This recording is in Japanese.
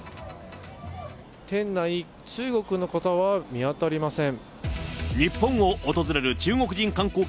店内、中国の方は見当たりません。